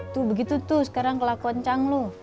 tuh begitu tuh sekarang kelakuan cang lu